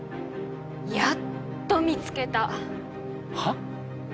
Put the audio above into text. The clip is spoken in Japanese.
やっと見つけたはっ？